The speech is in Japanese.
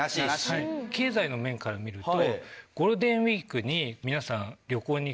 経済の面から見ると。